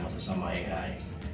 atau sama ai